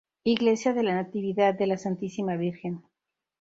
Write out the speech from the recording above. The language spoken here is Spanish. Iglesia de la Natividad de la Santísima Virgen.